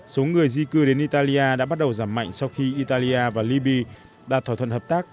số người di cư đến italia đã bắt đầu giảm mạnh sau khi italia và liby đạt thỏa thuận hợp tác